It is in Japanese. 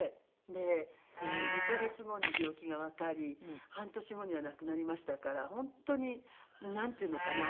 で２カ月後に病気がわかり半年後には亡くなりましたから本当になんていうのかな？